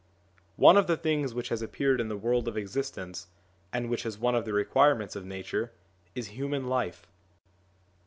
One of the things which has appeared in the world of existence, and which is one of the requirements of Nature, is human life.